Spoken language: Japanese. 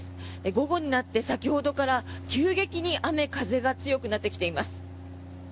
午後になって先ほどから急激に雨風が強くなってきています。